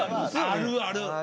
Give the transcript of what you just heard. あるある。